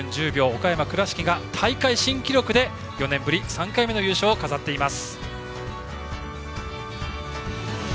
岡山の倉敷が大会新記録で４年ぶり３回目の優勝を飾っています。